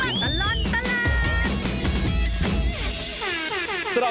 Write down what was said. ชั่วตลอดตลาด